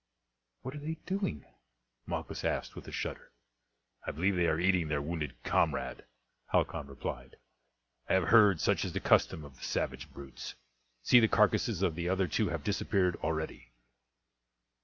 "What are they doing?" Malchus asked with a shudder. "I believe they are eating their wounded comrade," Halcon replied. "I have heard such is the custom of the savage brutes. See, the carcasses of the other two have disappeared already."